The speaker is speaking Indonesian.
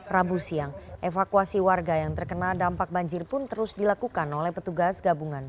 rabu siang evakuasi warga yang terkena dampak banjir pun terus dilakukan oleh petugas gabungan